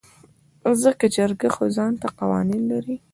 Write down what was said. ځکه جرګه خو ځانته قوانين لري .